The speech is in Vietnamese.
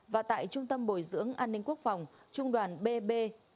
và tại trung tâm bồi dưỡng an ninh quốc phòng trung đoàn bb chín trăm bảy mươi một